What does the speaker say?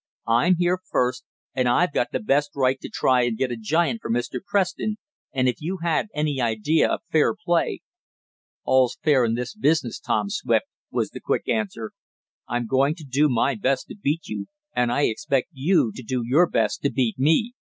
I'm here first, and I've got the best right to try and get a giant for Mr. Preston, and if you had any idea of fair play " "All's fair in this business, Tom Swift," was the quick answer. "I'm going to do my best to beat you, and I expect you to do your best to beat me.